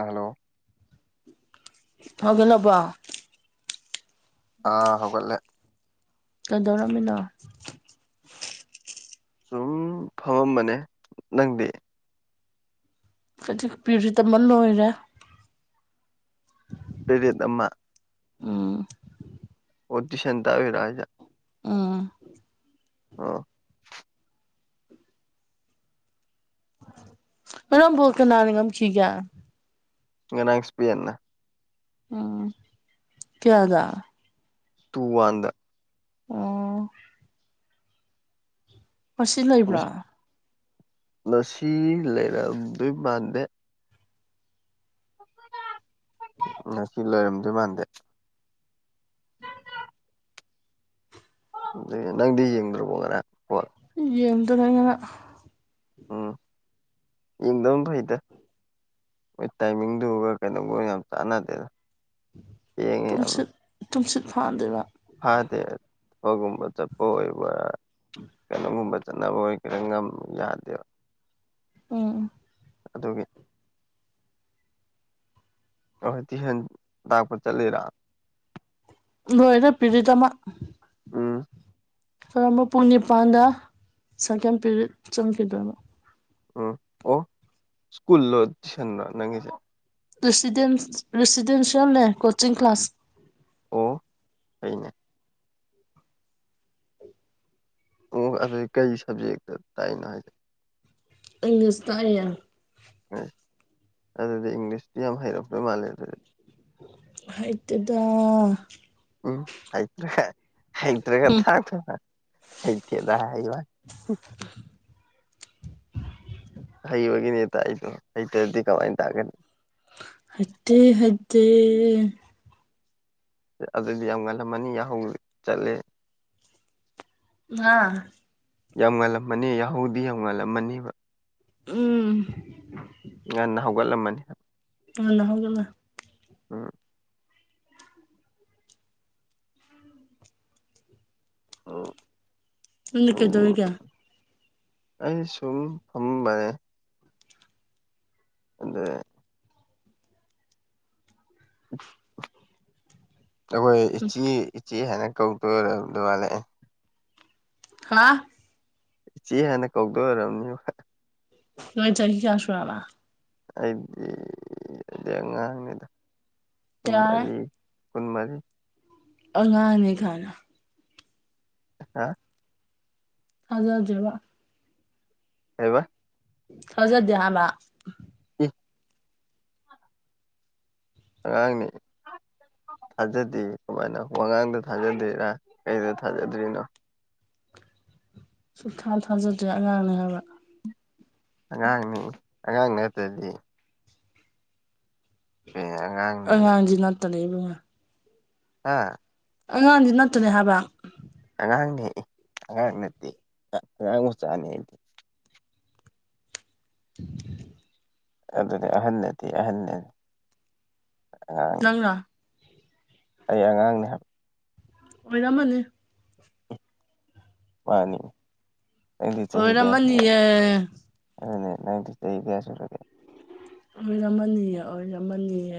hello ꯍꯧꯒꯠꯂꯥꯕꯣ ꯑꯥ ꯍꯧꯒꯠꯂꯦ ꯀꯩꯗꯧꯔꯝꯃꯤꯅꯣ ꯁꯨꯝ ꯐꯝꯃꯝꯕꯅꯦ ꯅꯪꯗꯤ ꯑꯃ ꯂꯣꯏꯔꯦ ꯄꯦꯔꯦꯠ ꯑꯃ ꯎꯝ ꯑꯣ ꯇꯨꯏꯁꯟ ꯇꯥꯛ ꯎꯏꯔꯣ ꯍꯥꯏꯖꯦ ꯎꯝ ꯑꯣ ꯉꯔꯥꯡ ꯕꯣꯜ ꯀꯅꯥꯅ ꯉꯝꯈꯤꯒꯦ ꯉꯔꯥꯡ ꯏꯁꯄꯦꯟꯅ ꯎꯝ ꯀꯌꯥꯗꯥ ꯇꯨ ꯋꯥꯟꯗ ꯑꯣ ꯉꯁꯤ ꯂꯩꯕ꯭ꯔꯥ ꯉꯁꯤ ꯂꯩꯔꯝꯗꯣꯏ ꯃꯥꯟꯗꯦ ꯉꯁꯤ ꯂꯩꯔꯝꯗꯣꯏ ꯃꯥꯟꯗꯦ ꯅꯪꯗꯤ ꯌꯦꯡꯗ꯭ꯔꯕꯣ ꯉꯔꯥꯡ ꯕꯣꯜ ꯌꯦꯡꯗꯔꯦ ꯑꯩ ꯉꯔꯥꯡ ꯎꯝ ꯌꯦꯡꯗꯝ ꯐꯩꯗ ꯃꯣꯏ ꯇꯥꯏꯃꯤꯡꯗꯨꯒ ꯀꯩꯒ ꯌꯥꯝ ꯆꯥꯟꯅꯗꯦꯗ ꯊꯦꯡꯉꯦ ꯌꯥꯝꯅ ꯇꯨꯝꯁꯤꯠ ꯇꯨꯝꯁꯤꯠ ꯐꯥꯗꯦꯕ ꯐꯥꯗꯦ ꯊꯕꯒꯨꯝꯕ ꯆꯠꯄ ꯑꯣꯏꯕ ꯀꯩꯅꯣꯒꯨꯝꯕ ꯆꯠꯅꯕ ꯑꯣꯏ ꯂꯩꯉꯝ ꯌꯥꯗꯦꯕ ꯎꯝ ꯑꯗꯨꯒꯤ ꯑꯣꯏ ꯇꯨꯏꯁꯟ ꯇꯥꯛꯄ ꯆꯠꯂꯤꯔꯣ ꯂꯣꯏꯔꯦ ꯄꯤꯔꯤꯠ ꯑꯃ ꯎꯝ ꯍꯣꯔꯦꯟ ꯑꯃ ꯄꯨꯡ ꯅꯤꯄꯥꯟꯗ ꯁꯦꯀꯦꯟ ꯄꯤꯔꯤꯠ ꯆꯪꯈꯤꯗꯣꯏꯕ ꯎꯝ ꯑꯣ ꯁ꯭ꯀꯨꯜꯂꯣ ꯇꯨꯏꯁꯟꯂꯣ ꯅꯪꯒꯤꯁꯦ ꯔꯦꯁꯤꯗꯦꯟꯁ ꯔꯦꯁꯤꯗꯦꯟꯁꯤꯌꯦꯜꯅꯦ ꯀꯣꯆꯤꯡ ꯀ꯭ꯂꯥꯁ ꯑꯣ ꯑꯩꯅꯦ ꯑꯣ ꯑꯗꯨꯏ ꯀꯩ ꯁꯕꯖꯦꯛꯇ ꯇꯥꯛ ꯏꯅꯣ ꯍꯥꯏꯖꯦ ꯏꯪꯂꯤꯁ ꯇꯥꯛ ꯏꯌꯦ ꯑꯁ ꯑꯗꯨꯗꯤ ꯏꯪꯂꯤꯁꯇꯤ ꯌꯥꯝ ꯍꯩꯔꯝꯗꯣꯏ ꯃꯥꯜꯂꯦ ꯑꯗꯨꯗꯤ ꯍꯩꯇꯦꯗꯥ ꯎꯝ ꯍꯩꯇ꯭ꯔꯦ ꯍꯩꯇ꯭ꯔꯦꯒ ꯇꯥꯛꯇꯣꯏꯕ ꯍꯩꯇꯦꯗ ꯍꯥꯏꯕꯟ ꯍꯩꯕꯒꯤꯅꯦ ꯇꯥꯛꯏꯗꯣ ꯍꯩꯇ꯭ꯔꯗꯤ ꯀꯃꯥꯏꯅ ꯇꯥꯛꯀꯅꯤ ꯍꯩꯇꯦ ꯍꯩꯇꯦ ꯑꯗꯨꯗꯤ ꯌꯥꯝ ꯉꯜꯂꯝꯃꯅꯤ ꯌꯥꯍꯧ ꯆꯠꯂꯦ ꯅꯥ ꯌꯥꯝ ꯉꯜꯂꯝꯃꯅꯤ ꯌꯥꯍꯧꯗꯤ ꯌꯥꯝ ꯉꯜꯂꯝꯃꯅꯤꯕ ꯎꯝ ꯉꯟꯅ ꯍꯧꯒꯠꯂꯝꯃꯅꯤ ꯉꯟꯅ ꯍꯧꯒꯠꯂꯦ ꯎꯝ ꯑꯣ ꯅꯪꯗꯤ ꯀꯩꯗꯧꯔꯤꯒꯦ ꯑꯩꯖꯦ ꯁꯨꯝ ꯐꯃꯝꯕꯅꯦ ꯑꯗ ꯑꯩꯈꯣꯏ ꯎꯝ ꯏꯆꯦ ꯏꯆꯦ ꯍꯥꯏꯅ ꯀꯧꯗꯣꯏ ꯑꯗꯨ ꯃꯥꯜꯂꯦ ꯍꯥ ꯏꯆꯦ ꯍꯥꯏꯅ ꯀꯧꯗꯣꯏ ꯑꯣꯏꯔꯝꯅꯤꯕ ꯅꯣꯏ ꯆꯍꯤ ꯀꯌꯥ ꯁꯨꯔꯕ ꯑꯩꯗꯤ ꯑꯩꯗꯤ ꯑꯉꯥꯡꯅꯤꯗ ꯌꯥꯔꯦ ꯀꯨꯟꯃꯔꯤ ꯀꯨꯟꯃꯔꯤ ꯑꯉꯥꯡꯅꯤ ꯈꯥꯏꯅ ꯍꯥ ꯊꯥꯖꯗꯦꯕ ꯀꯩꯕ ꯊꯥꯖꯗꯦ ꯍꯥꯕ ꯑꯦ ꯑꯉꯥꯡꯅꯦ ꯊꯥꯖꯗꯦ ꯀꯃꯥꯏꯅ ꯋꯥꯉꯥꯡꯗ ꯊꯥꯖꯗ꯭ꯔꯤꯔꯥ ꯀꯩꯗ ꯊꯥꯖꯗ꯭ꯔꯤꯅꯣ ꯁꯨꯡ ꯊꯥ ꯊꯥꯖꯗ꯭ꯔꯦ ꯑꯉꯥꯡꯅꯦ ꯍꯥꯏꯕ ꯑꯉꯥꯡꯅꯤ ꯑꯉꯥꯡ ꯅꯠꯇ꯭ꯔꯗꯤ ꯑꯦ ꯑꯉꯥꯡ ꯑꯉꯥꯡꯗꯤ ꯅꯠꯇꯅ ꯏꯕꯨꯡꯉꯣ ꯍꯥ ꯑꯉꯥꯡꯗꯤ ꯅꯠꯇꯅꯦ ꯍꯥꯏꯕ ꯑꯉꯥꯡꯅꯦ ꯑꯉꯥꯡ ꯅꯠꯇꯦ ꯑꯉꯥꯡ ꯃꯆꯥꯅꯦ ꯑꯩꯗꯤ [unintelligible] ꯑꯗꯨꯅꯦ ꯑꯍꯟ ꯅꯠꯇꯦ ꯑꯍꯟꯅꯦ ꯑꯍꯟ ꯑꯉꯥꯡ ꯅꯪꯅ ꯑꯩ ꯑꯉꯥꯡꯅꯤ ꯍꯥꯏꯕ ꯑꯣꯏꯔꯝꯃꯅꯤ ꯃꯥꯟꯅꯤ ꯑꯣꯏꯔꯝꯃꯅꯤꯌꯦ ꯑꯗꯨꯅꯦ ꯅꯪꯗꯤ ꯆꯍꯤ ꯀꯌꯥ ꯁꯨꯔꯒꯦ ꯑꯣꯏꯔꯝꯃꯅꯤꯌꯦ ꯑꯣꯏꯔꯝꯃꯅꯤꯌꯦ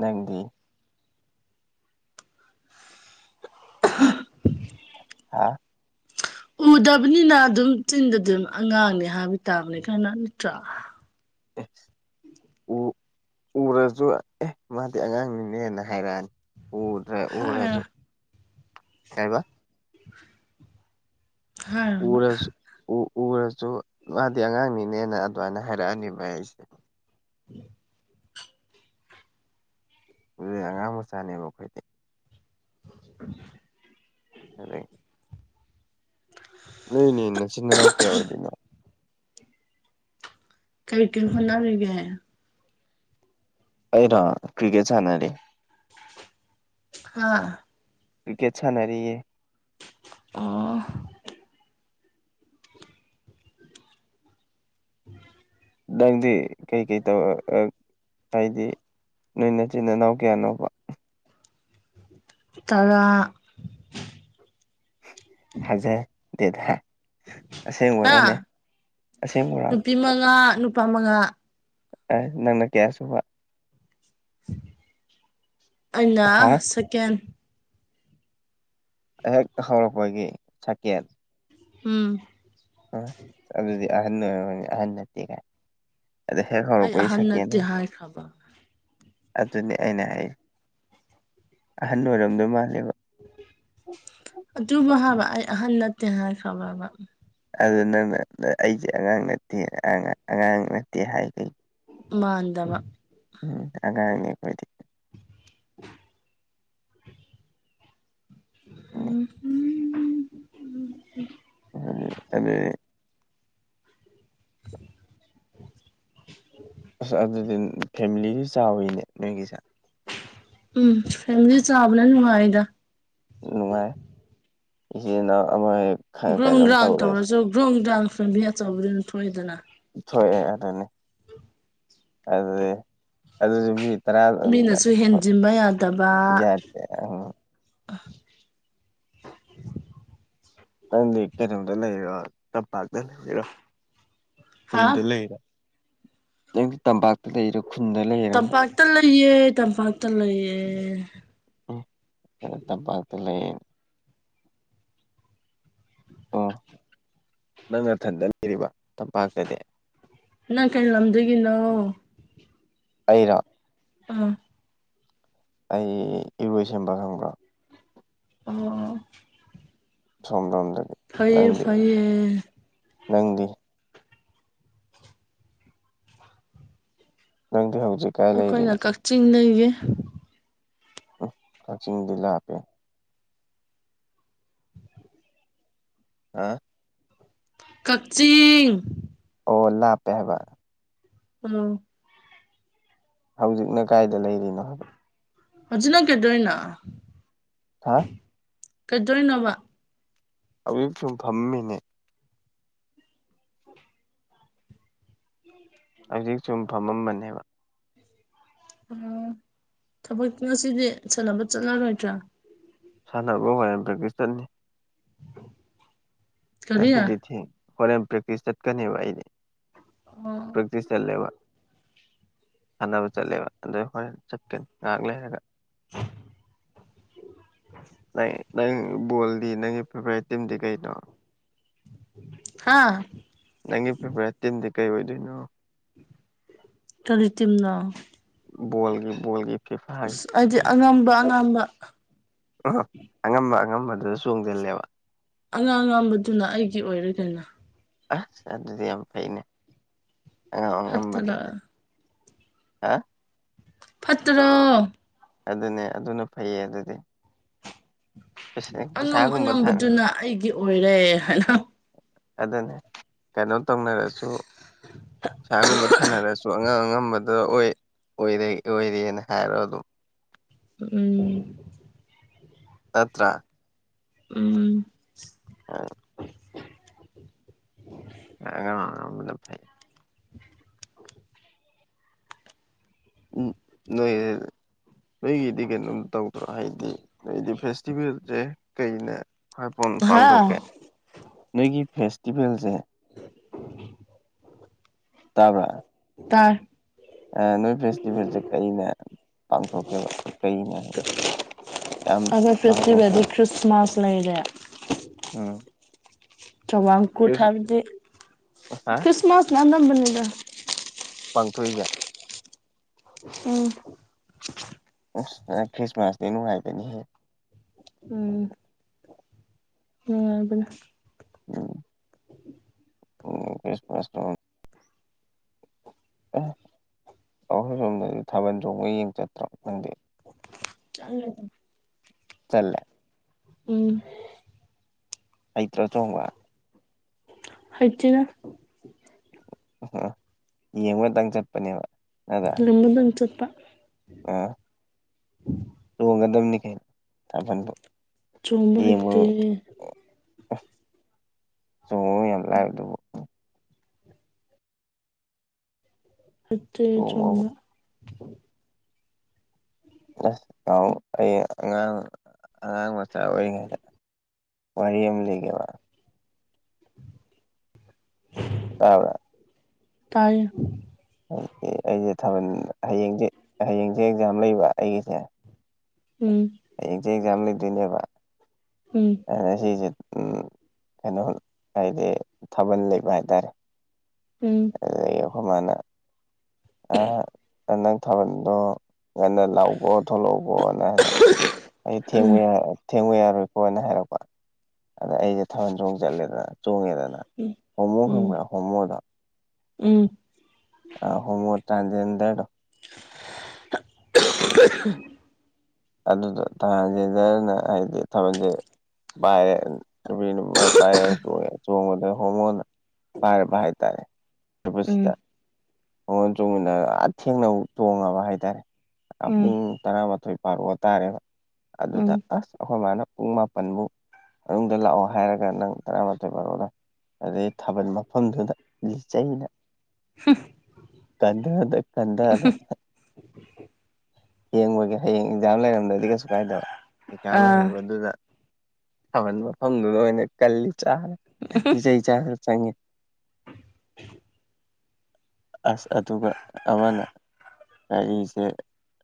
ꯅꯪꯗꯤ [unintelligible] ꯑꯥ ꯎꯗꯕꯅꯤꯅ ꯑꯗꯨꯝ ꯆꯤꯟꯗꯗꯤ ꯑꯗꯨꯝ ꯑꯉꯥꯡꯅꯤ ꯍꯥꯏꯕ ꯇꯥꯕꯅ ꯀꯅꯥ ꯅꯠꯇ꯭ꯔꯥ ꯑꯦ ꯎ [inaudible] ꯎꯔꯁꯨ ꯑꯦ ꯃꯥꯗꯤ ꯑꯉꯥꯡꯅꯤꯅꯦꯅ ꯍꯥꯏꯔꯛꯑꯅꯤ ꯎ ꯍꯥꯏꯔꯣ ꯎꯔꯁꯨ ꯀꯩꯏꯕ ꯍꯥꯏꯔꯣꯕ ꯎꯔꯁꯨ ꯎꯔꯁꯨ ꯃꯥꯗꯤ ꯑꯉꯥꯡꯅꯤꯅꯦꯅ ꯑꯗꯨꯃꯥꯏꯅ ꯍꯥꯏꯔꯛꯑꯅꯤꯕ ꯑꯩꯁꯦ ꯑꯗꯨꯗꯤ ꯑꯉꯥꯡ ꯃꯆꯥꯅꯦꯕ ꯑꯩꯈꯣꯏꯗꯤ [inaudible] [unintelligible] ꯅꯣꯏꯅꯤ ꯅꯆꯤꯟ ꯅꯅꯥꯎ ꯀꯌꯥ ꯑꯣꯏꯗꯧꯅꯣ ꯀꯩ ꯀꯧ ꯍꯣꯠꯅꯔꯤꯒꯦ ꯑꯩꯔꯣ ꯀ꯭ꯔꯤꯀꯦꯠ ꯁꯥꯟꯅꯔꯤ ꯍꯥ ꯀ꯭ꯔꯤꯀꯦꯠ ꯁꯥꯟꯔꯤꯌꯦ ꯑꯣ [inaudible] ꯅꯪꯗꯤ ꯀꯩꯀꯩ ꯇꯧ ꯍꯥꯏꯗꯤ ꯅꯣꯏ ꯅꯆꯤꯟ ꯏꯅꯥꯎ ꯀꯌꯥꯅꯣꯕ ꯇꯔꯥ ꯊꯥꯖꯗꯦꯗ ꯑꯁꯦꯡꯕꯥꯔꯅꯦ ꯑ ꯑꯁꯦꯡꯕꯥꯔ ꯅꯨꯄꯤ ꯃꯉꯥ ꯅꯨꯄꯥ ꯃꯉꯥ ꯑꯦ ꯅꯪꯅ ꯀꯌꯥꯁꯨꯨꯕ ꯑꯩꯅ ꯍꯥ ꯁꯦꯀꯦꯟ ꯍꯦꯛ ꯍꯧꯔꯛꯄꯒꯤ ꯁꯦꯀꯦꯟ ꯎꯝ ꯑꯥ ꯑꯗꯨꯗꯤ ꯑꯍꯟ ꯑꯣꯏꯔꯒꯅꯤ ꯑꯍꯟ ꯅꯠꯇꯦꯒꯥꯏ ꯑꯥꯗ ꯍꯦꯛ ꯑꯩ ꯍꯧꯔꯛꯄꯒꯤ ꯑꯍꯟ ꯁꯦꯀꯦꯟꯅꯤ ꯅꯠꯇꯦ ꯍꯥꯏꯈ꯭ꯔꯕ ꯑꯗꯨꯅꯤ ꯑꯩꯅ ꯍꯥꯏ ꯑꯍꯜ ꯑꯣꯏꯔꯣꯝꯗꯣꯏ ꯃꯥꯜꯂꯦꯕ ꯑꯗꯨꯃ ꯍꯥꯏꯕ ꯑꯩ ꯑꯍꯟ ꯅꯠꯇꯦ ꯍꯥꯏꯈ꯭ꯔꯥꯕꯕ ꯑꯗꯨ ꯅꯪꯅ ꯑꯩꯗꯤ ꯑꯉꯥꯡ ꯅꯠꯇꯦ ꯑꯉꯥꯡ ꯅꯠꯇꯦ ꯍꯥꯏꯒꯩ ꯃꯥꯟꯗꯕ ꯎꯝ ꯑꯉꯥꯡꯅꯤ ꯑꯈꯣꯏꯗꯤ [inaudible] ꯎꯝ ꯑꯝ ꯑꯗꯨꯏ [unintelligible] ꯑꯁ ꯑꯗꯨꯗꯤ ꯐꯦꯃꯤꯂꯤꯁꯤ ꯆꯥꯎꯋꯤꯅꯦ ꯅꯣꯏꯒꯤꯁꯦ ꯎꯝ ꯐꯦꯃꯤꯂꯤ ꯆꯥꯎꯕꯅ ꯅꯨꯡꯉꯥꯏꯗ ꯅꯨꯡꯉꯥꯏ ꯏꯆꯤꯅꯥꯎ ꯑꯃ ꯍꯦꯛ ꯒ꯭ꯔꯨꯡ ꯀꯩꯅꯣꯝ ꯒ꯭ꯔꯥꯡ ꯇꯧꯔꯦ ꯇꯧꯔꯁꯨ ꯒ꯭ꯔꯨꯡ ꯒ꯭ꯔꯥꯎꯟ ꯐꯦꯝꯂꯤ ꯑꯆꯧꯕꯗ ꯑꯗꯨꯝ ꯊꯣꯛꯏꯗꯅ ꯊꯣꯛꯑꯦ ꯑꯗꯨꯅꯤ ꯑꯗꯩ ꯑꯗꯨꯁꯨ ꯃꯤ ꯇꯔꯥ ꯃꯤꯅꯁꯨ ꯍꯦꯟꯖꯤꯟꯕ ꯌꯥꯗꯕ ꯌꯥꯗꯦ [unintelligible] ꯂꯩꯔꯣ ꯍꯥ ꯈꯨꯟꯗ ꯂꯩꯔꯣ ꯅꯪ ꯇꯝꯄꯥꯛꯇ ꯂꯩꯔꯣ ꯈꯨꯟꯗ ꯂꯩꯔ ꯇꯝꯄꯥꯛꯇ ꯂꯩꯌꯦ ꯇꯝꯄꯥꯛꯇ ꯂꯩꯌꯦ ꯍꯨꯝ [unintelligible] ꯇꯄꯥꯛꯇ ꯂꯩꯌꯦ ꯑꯣ ꯅꯪ ꯅꯊꯟꯗ ꯂꯩꯔꯤꯕ ꯇꯝꯄꯥꯛꯇꯗꯤ ꯅꯪ ꯀꯩ ꯂꯝꯗꯒꯤꯅꯣ ꯑꯩꯔꯣ ꯑꯥ ꯑꯩ ꯏꯔꯣꯏꯁꯦꯝꯕ ꯈꯪꯕ꯭ꯔꯣ ꯑꯣ ꯁꯣꯝ ꯔꯣꯝꯗꯗꯤ ꯐꯩꯌꯦ ꯐꯩꯌꯦ ꯅꯪꯗꯤ ꯅꯪꯗꯤ ꯍꯧꯖꯤꯛ ꯀꯥꯏ ꯑꯩꯈꯣꯏꯅ ꯂꯩꯔꯤꯅꯣ ꯀꯛꯆꯤꯡꯗꯒꯤ ꯎꯝ ꯀꯛꯆꯤꯡꯗꯤ ꯂꯥꯞꯄꯦ ꯍꯥ ꯀꯛꯆꯤꯡ ꯑꯣ ꯂꯥꯞꯄꯦ ꯍꯥꯏꯕ ꯎꯨꯝ ꯍꯧꯖꯤꯛꯅ ꯀꯥꯏꯗ ꯂꯩꯔꯤꯅꯣ ꯍꯥꯏꯕ ꯍꯧꯖꯤꯛ ꯅꯪ ꯀꯩꯗꯣꯏꯅ ꯍꯥ ꯀꯩꯗꯧꯏꯅꯣꯕ ꯍꯧꯖꯤꯛ ꯁꯨꯝ ꯐꯝꯃꯤꯅꯦ ꯍꯧꯖꯤꯛ ꯁꯨꯝ ꯐꯝꯃꯝꯕꯅꯦꯕ ꯑꯣ ꯊꯕꯛꯇ ꯉꯁꯤꯗꯤ ꯁꯥꯟꯅꯕ ꯆꯠꯂꯔꯣꯏꯗ꯭ꯔꯥ ꯁꯥꯟꯅꯕ [unintelligible] ꯗꯒꯤ ꯆꯠꯅꯤ ꯀꯔꯤ ꯉꯁꯤꯗꯤ ꯊꯦꯡꯉꯦ ꯍꯣꯔꯦꯟ ꯄ꯭ꯔꯦꯛꯇꯤꯁ ꯆꯠꯀꯅꯦꯕ ꯑꯩꯗꯤ ꯄ꯭ꯔꯛꯇꯤꯁ ꯆꯠꯂꯦꯕ ꯁꯥꯟꯅꯕ ꯆꯠꯂꯦꯕ ꯑꯗꯨꯏ ꯍꯣꯔꯦꯟ ꯆꯠꯀꯅꯤ ꯉꯥꯏꯍꯥꯛ ꯂꯩꯔꯒ ꯅꯩ ꯅꯪ ꯕꯣꯜꯗꯤ ꯅꯪꯒꯤ ꯐꯦꯚꯣꯔꯥꯏꯠ ꯇꯤꯝꯗꯤ ꯀꯩꯅꯣ ꯍꯥꯥ ꯅꯪꯒꯤ ꯐꯦꯚꯣꯔꯥꯏꯠ ꯇꯤꯝꯗꯤ ꯀꯩ ꯑꯣꯏꯗꯣꯏꯅꯣ ꯀꯔꯤ ꯇꯤꯝꯅꯣ ꯕꯣꯜꯒꯤ ꯕꯣꯜꯒꯤ ꯐꯤꯐꯥꯒꯤ ꯑꯁ ꯑꯩꯗꯤ ꯑꯉꯝꯕ ꯑꯉꯝꯕ ꯑꯣ ꯑꯉꯝꯕ ꯑꯉꯝꯕꯗꯨꯗ ꯆꯣꯡꯖꯤꯜꯂꯦꯕ ꯑꯉꯝ ꯑꯉꯝꯕꯗꯨꯅ ꯑꯩꯒꯤ ꯑꯣꯏꯔꯦ ꯀꯩꯅꯣ ꯑꯥ ꯑꯗꯨꯗꯤ ꯌꯥꯝ ꯐꯩꯅꯦ ꯑꯉꯥꯝ ꯐꯠꯇꯔ ꯑꯉꯝꯕꯗꯨꯗꯤ ꯍꯥ ꯐꯠꯇ꯭ꯔꯣ ꯑꯗꯨꯅꯦ ꯑꯗꯨꯅ ꯐꯩꯌꯦ ꯑꯗꯨꯗꯤ ꯄꯩꯁꯥ- ꯑꯉꯝ ꯄꯩꯁꯥꯒꯨꯝꯕ ꯊꯥꯅ ꯑꯉꯝꯕꯗꯨꯅ ꯑꯩꯒꯤ ꯑꯣꯏꯔꯦ ꯍꯥꯏꯅ ꯑꯗꯨꯅꯦ ꯀꯩꯅꯣ ꯇꯧꯅꯔꯁꯨ ꯄꯩꯁꯥꯒꯨꯝꯕ ꯊꯥꯅꯔꯁꯨ ꯑꯉꯥꯝ ꯑꯉꯝꯕꯗ ꯑꯣꯏ ꯑꯣꯏꯔꯦ ꯑꯣꯏꯔꯦꯅ ꯍꯥꯏꯔꯣ ꯑꯗꯨꯝ ꯎꯝ ꯅꯠꯇ꯭ꯔꯥ ꯎꯝ [unintelligible] [unintelligible] [unintelligible] ꯐꯩ ꯎꯝ ꯅꯣꯏ ꯅꯣꯏꯒꯤꯗꯤ ꯀꯩꯅꯣꯝ ꯇꯧ ꯍꯥꯏꯗꯤ ꯍꯥꯏꯗꯤ ꯐꯦꯁꯇꯤꯚꯦꯜꯁꯦ ꯀꯩꯅ ꯈ꯭ꯋꯥꯏꯄꯣꯟ ꯍꯥ ꯄꯥꯡꯊꯣꯛꯀꯦ ꯅꯣꯏꯒꯤ ꯐꯦꯁꯇꯤꯚꯦꯜꯁꯦ [inaudible] ꯇꯥꯕ꯭ꯔꯥ ꯇꯥꯏ ꯅꯣꯏ ꯐꯦꯁꯇꯤꯚꯦꯜꯁꯦ ꯀꯩꯅ ꯄꯥꯡꯊꯣꯛꯀꯦꯕ ꯀꯩꯅꯥ ꯑꯩꯈꯣꯏ ꯐꯦꯁꯁꯇꯤꯚꯦꯜꯗꯤ ꯈ꯭ꯔꯤꯁꯃꯥꯁ ꯂꯩꯔꯦ ꯑꯧ ꯆꯧꯋꯥꯡ ꯀꯨꯠ ꯍꯥꯏꯕꯗꯤ ꯍꯥ ꯈ꯭ꯔꯤꯁꯃꯥꯁꯅ ꯑꯅꯝꯕꯅꯤꯗ ꯄꯥꯡꯊꯣꯛꯏꯁꯦ ꯎꯝ ꯎꯁ ꯍꯟꯗꯛ ꯈ꯭ꯔꯤꯁꯃꯥꯁꯇꯤ ꯅꯨꯡꯉꯥꯏꯕꯅꯤꯍꯦ ꯎꯝ ꯅꯨꯡꯉꯥꯏꯕꯅꯦ ꯎꯝ ꯎꯝ ꯕ꯭ꯔꯦꯐꯥꯁ ꯇꯧꯔꯦ ꯑꯦ ꯑꯈꯣꯏ ꯁꯣꯝꯗꯗꯤ ꯊꯥꯕꯜ ꯆꯣꯡꯕ ꯌꯦꯡ ꯆꯠꯇ꯭ꯔꯣ ꯅꯪꯗꯤ ꯆꯠꯂꯦ ꯑꯗꯨꯝ ꯆꯜꯂꯦ ꯎꯝ ꯍꯩꯇ꯭ꯔꯣ ꯆꯣꯡꯕ ꯍꯩꯇꯦꯗ [unintelligible] ꯌꯦꯡꯕ ꯉꯇꯪ ꯆꯠꯄꯅꯦꯕ ꯅꯠꯇ꯭ꯔꯥ ꯂꯝꯕꯗꯪ ꯆꯠꯄ ꯑꯥ ꯆꯣꯡꯒꯗꯕꯅꯤ ꯀꯩꯅꯣ ꯊꯥꯕꯜꯕꯨ ꯆꯣꯡꯕ ꯌꯦꯡꯕꯨ ꯍꯩꯇꯦ ꯆꯣꯡꯕꯕꯨ ꯌꯥꯝ ꯂꯥꯏꯗꯨꯕꯨ ꯍꯩꯇꯦ ꯆꯣꯡꯕꯕꯨ ꯆꯣꯡꯕ ꯑꯁ ꯅꯍꯥꯟꯃꯨꯛ ꯑꯩ ꯑꯉꯥꯡ ꯑꯉꯥꯡ ꯃꯆꯥ ꯑꯣꯏꯔꯤꯉꯩꯗ ꯋꯥꯔꯤ ꯑꯃ ꯂꯤꯒꯦꯕ ꯇꯥꯕ꯭ꯔ ꯇꯥꯏꯌꯦ ꯑꯩꯁꯦ ꯑꯩꯁꯦ ꯊꯥꯕꯜ ꯍꯌꯦꯡꯁꯦ ꯍꯌꯦꯡꯁꯦ ꯑꯦꯛꯖꯥꯝ ꯂꯩꯕ ꯑꯩꯒꯤꯁꯦ ꯎꯝ ꯍꯌꯦꯡꯁꯦ ꯑꯦꯛꯖꯥꯝ ꯂꯩꯗꯣꯏꯅꯦꯕ ꯎꯝ ꯑꯗ ꯁꯤꯁꯦ ꯎꯝ ꯀꯩꯅꯣ ꯍꯥꯏꯗꯤ ꯊꯥꯕꯜ ꯂꯩꯕ ꯍꯥꯏꯇꯥꯔꯦ ꯎꯝ ꯑꯗꯨ ꯑꯩꯈꯣꯏ ꯃꯥꯅ ꯑꯥ ꯅꯪ ꯊꯥꯕꯜꯗꯣ ꯉꯟꯅ ꯂꯥꯛꯎꯀꯣ ꯊꯣꯂꯛꯎꯀꯣꯅ ꯍꯥꯏꯕ ꯑꯩ ꯊꯦꯡꯕ ꯎꯝ ꯌꯥꯔꯣꯏ ꯊꯦꯡꯕ ꯌꯥꯔꯣꯏꯀꯣꯅ ꯍꯥꯏꯔꯛꯄ ꯑꯗ ꯑꯩꯁꯦ ꯊꯥꯕꯜ ꯆꯣꯡ ꯆꯠꯂꯦꯗꯅ ꯆꯣꯡꯉꯦꯗꯅ ꯍꯣꯃꯣ ꯎꯝ ꯈꯪꯕ꯭ꯔ ꯍꯣꯃꯣꯗꯣ ꯎꯝ ꯑ ꯍꯣꯃꯣ ꯇ꯭ꯔꯥꯟꯖꯦꯟꯗꯔ ꯗꯣ [unintelligible] ꯑꯗꯨꯗꯣ ꯇ꯭ꯔꯥꯟꯖꯦꯟꯗꯔꯅ ꯍꯥꯏꯗꯤ ꯊꯥꯕꯜꯖꯦ ꯄꯥꯏꯌꯦ ꯅꯨꯄꯤ ꯅꯨꯄꯥ ꯄꯥꯏꯔ ꯆꯣꯡꯉꯦ ꯆꯣꯡꯕꯗ ꯍꯣꯃꯣꯅ ꯄꯥꯏꯔꯕ ꯍꯥꯏ ꯇꯥꯔꯦ [unintelligible] ꯊꯥꯕꯜ ꯎꯝ ꯆꫭꯡꯃꯤꯟꯅꯔ ꯑꯥ ꯊꯦꯡꯅ ꯆꯣꯡꯉꯕ ꯍꯥꯏꯇꯥꯔꯦ ꯑ ꯎꯝ ꯄꯨꯡ ꯇꯔꯥꯃꯥꯊꯣꯏ ꯕꯥꯔꯣ ꯇꯥꯔꯦꯕ ꯑꯗꯨꯗ ꯎꯝ ꯑꯁ ꯑꯈꯣꯏ ꯃꯥꯅ ꯄꯨꯡ ꯃꯥꯄꯟꯕꯨꯛ ꯃꯅꯨꯡꯗ ꯂꯥꯛꯑꯣ ꯍꯥꯏꯔꯒ ꯅꯪ ꯇꯔꯥꯃꯥꯊꯣꯏ ꯕꯥꯔꯣ ꯑꯗꯩ ꯊꯥꯕꯜ ꯃꯐꯝꯗꯨꯗ ꯂꯤꯆꯩꯅ [unintelligible] ꯀꯟꯗꯗ ꯀꯟꯗꯗ ꯊꯦꯡꯕꯒꯤ ꯍꯌꯦꯡ ꯑꯦꯛꯖꯥꯝ ꯂꯩꯔꯝꯗ꯭ꯔꯗꯤ ꯀꯩꯁꯨ ꯀꯥꯏꯗꯕ ꯑꯦꯛꯖꯥꯝ ꯑꯥ ꯂꯩꯕꯗꯨꯗ ꯊꯥꯕꯜ ꯃꯐꯝꯗꯨꯗ ꯑꯣꯏꯅ ꯀꯜꯂꯤ ꯆꯥꯔꯦ ꯂꯤꯆꯩ ꯆꯥꯔꯒ ꯆꯪꯉꯦ ꯑꯥꯁ ꯑꯗꯨꯒ ꯑꯃꯅ ꯑꯩꯖꯦ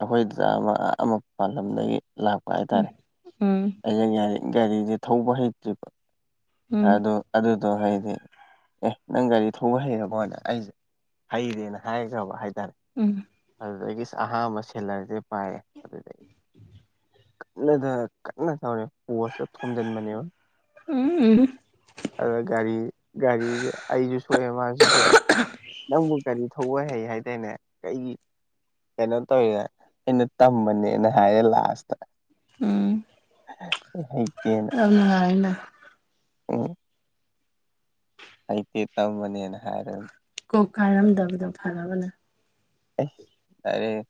ꯑꯈꯣꯏ ꯗꯗꯥ ꯑꯃ ꯑꯥ ꯃꯄꯥꯟꯂꯝꯗꯒꯤ ꯂꯥꯛꯄ ꯍꯥꯏꯇꯥꯔꯦ ꯎꯝ [unintelligible] ꯒꯥꯔꯤꯖꯦ ꯊꯧꯕ ꯍꯩꯇ꯭ꯔꯤꯕ ꯎꯝ ꯎꯝ ꯑꯗꯨ ꯑꯗꯨꯗꯣ ꯍꯥꯏꯗꯤ ꯑꯦ ꯅꯪ ꯒꯥꯔꯤ ꯊꯧꯕ ꯍꯩꯔꯕꯣꯅ ꯑꯩ [unintelligible] ꯍꯩꯔꯦꯅ ꯍꯥꯏꯒ꯭ꯔꯕ ꯍꯥꯏꯇꯥꯔꯦ ꯎꯝ ꯑꯗꯨꯗꯒꯤ ꯑꯍꯥꯟꯕ ꯁꯦꯂꯔꯖꯦ ꯄꯥꯏꯌꯦ ꯑꯗꯨꯗꯩ ꯀꯟꯅ ꯊꯧꯔꯦ ꯀꯟꯅ ꯊꯧꯔꯦ ꯄꯣꯁꯇ ꯊꯣꯝꯖꯟꯕꯅꯦꯕ ꯎꯝ ꯑꯗ ꯒꯥꯔꯤ ꯒꯥꯔꯤꯖꯦ ꯑꯩꯖꯨ ꯁꯣꯛꯑꯦ ꯃꯥꯖꯨ ꯁꯣꯛꯑꯦ ꯅꯪꯕꯨ ꯒꯔꯤ ꯊꯧꯕ ꯍꯩ ꯍꯥꯏꯗꯥꯏꯅꯦ ꯀꯩꯒꯤ ꯀꯩꯅꯣ ꯇꯧꯋꯤꯔ ꯑꯩꯅ ꯇꯝꯕꯅꯦꯅ ꯍꯥꯏꯌꯦ ꯂꯥꯁꯇ ꯎꯝ [unintelligible] ꯍꯩꯇꯦ ꯌꯥꯝ ꯅꯨꯡꯉꯥꯏꯅ ꯎꯝ ꯍꯩꯇꯦ ꯇꯝꯕꯅꯦꯅ [unintelligible] ꯀꯣꯛ ꯀꯥꯏꯔꯝꯗꯕꯗꯣ ꯐꯔꯕꯅꯦ [unintelligible] ꯑꯔꯦ